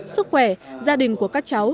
sức khỏe gia đình của các cháu